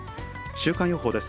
週間予報です。